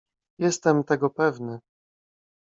"Jestem tego pewny."